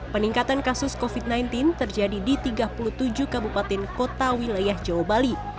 peningkatan kasus covid sembilan belas terjadi di tiga puluh tujuh kabupaten kota wilayah jawa bali